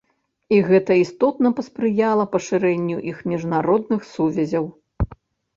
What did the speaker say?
І гэта істотна паспрыяла пашырэнню іх міжнародных сувязяў.